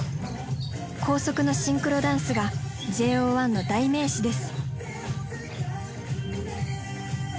高速のシンクロダンスがＪＯ１の代名詞です。